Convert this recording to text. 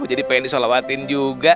aduh jadi pengen disholawatin juga